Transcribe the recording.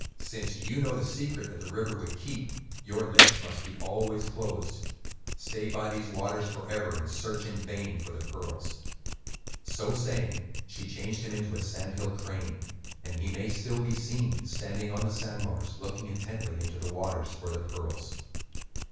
"Since you know the secret that the river would keep, your lips must be always closed. Stay by these waters forever, and search in vain for the pearls." So saying, she changed him into a sand hill crane, and he may still be seen, standing on the sand bars, looking intently into the water for the pearls.